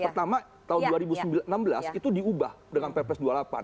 pertama tahun dua ribu enam belas itu diubah dengan ppres dua puluh delapan